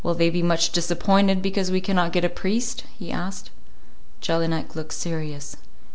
"Will they be much disappointed because we cannot get a priest?" he asked. Jelinek looked serious.